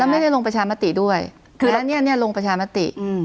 แล้วไม่ได้ลงประชามาติด้วยแต่อันเนี่ยลงประชามาติ